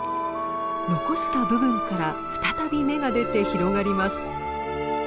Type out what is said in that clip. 残した部分から再び芽が出て広がります。